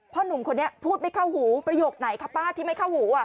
หนุ่มคนนี้พูดไม่เข้าหูประโยคไหนคะป้าที่ไม่เข้าหู